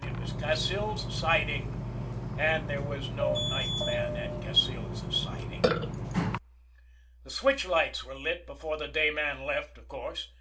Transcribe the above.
It was Cassil's Siding and there was no night man at Cassil's Siding! The switch lights were lit before the day man left, of course.